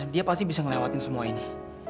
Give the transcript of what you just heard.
dia pasti bisa ngelewatin semua ini